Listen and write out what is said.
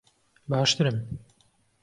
باشترم.